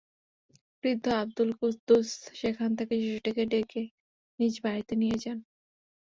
বৃদ্ধ আবদুল কুদ্দুস সেখান থেকে শিশুটিকে ডেকে নিজ বাড়িতে নিয়ে যান।